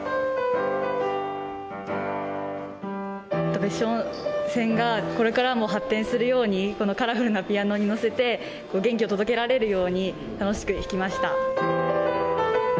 別所線がこれからも発展するようにこのカラフルなピアノに乗せて元気を届けられるように楽しく弾きました。